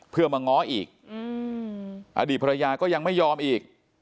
เพื่อมาง้ออีกอดีตภรรยาก็ยังไม่ยอมอีก